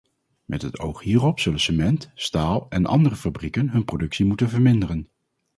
Met het oog hierop zullen cement-, staal- en andere fabrieken hun productie moeten verminderen.